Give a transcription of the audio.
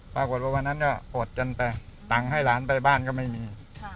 ปรากฏว่าวันนั้นก็อดจันไปตังให้หลานไปบ้านก็ไม่มี